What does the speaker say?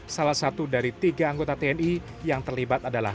salah satu dari tiga anggota tni yang terlibat adalah